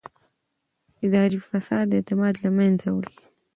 اداري فساد اعتماد له منځه وړي